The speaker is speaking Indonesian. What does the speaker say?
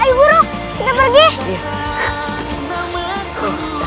ayuh buruk kita pergi